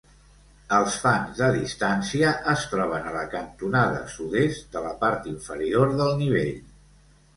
Els fans de distància es troben a la cantonada sud-est de la part inferior del nivell.